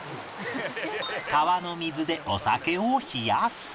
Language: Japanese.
川の水でお酒を冷やす